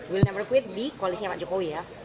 will never quit di koalisinya pak jokowi ya